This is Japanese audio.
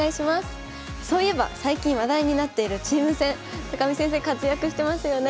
そういえば最近話題になっているチーム戦見先生活躍してますよね。